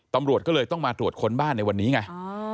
ตำรวจก็เลยต้องมาตรวจค้นบ้านในวันนี้ไง